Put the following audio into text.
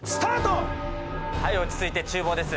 はい落ち着いて厨房です。